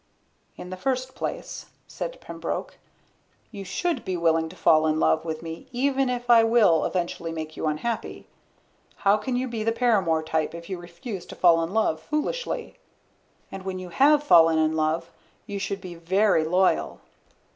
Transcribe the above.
"In the first place," said Pembroke, "you should be willing to fall in love with me even if it will eventually make you unhappy. How can you be the paramour type if you refuse to fall in love foolishly? And when you have fallen in love, you should be very loyal."